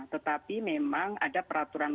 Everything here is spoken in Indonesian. tetapi memang ada peraturan